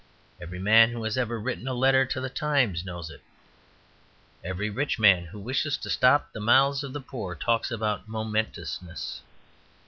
Every man who has ever written a letter to the Times knows it. Every rich man who wishes to stop the mouths of the poor talks about "momentousness."